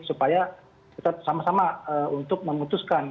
supaya kita sama sama untuk memutuskan